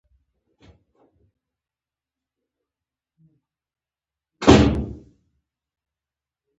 دا خوږه باید تریخه نه کړو.